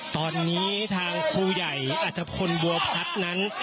ตอนนี้ทางครูใหญ่อัธพลบัวพัฒน์นั้น